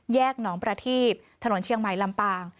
หนองประทีบถนนเชียงใหม่ลำปาง